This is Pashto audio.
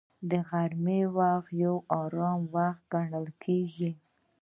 د غرمې وخت یو آرام وخت ګڼل کېږي